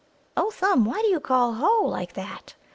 "O Thumb, why do you call 'ho!' like that?"